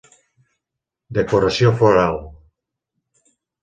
Decoració floral.